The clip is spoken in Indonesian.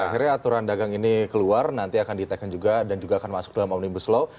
akhirnya aturan dagang ini keluar nanti akan ditekan juga dan juga akan masuk dalam omnibus law